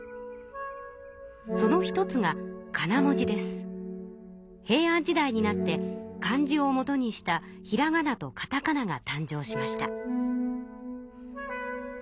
その一つが平安時代になって漢字をもとにしたひらがなとかたかなが誕生しました。